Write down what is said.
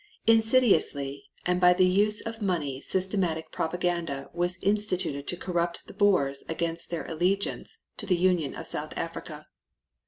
Insidiously and by the use of money systematic propaganda was instituted to corrupt the Boers against their allegiance to the Union of South Africa.